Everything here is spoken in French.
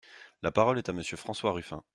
La parole est à Monsieur François Ruffin.